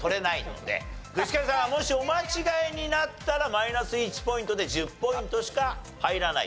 具志堅さんがもしお間違いになったらマイナス１ポイントで１０ポイントしか入らないと。